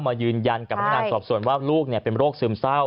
มายืนยันกับพนักงานสอบส่วนว่าลูกเป็นโรคซึมเศร้า